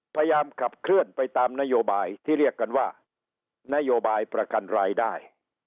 พยายามขับเคลื่อนไปตามนโยบายที่เรียกกันว่านโยบายประกันรายได้